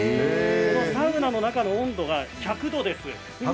サウナの中の温度が１００度です。